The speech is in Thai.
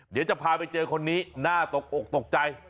เดี๋ยวจะพาไปเจอคนนี้น่าตกอกตกใจ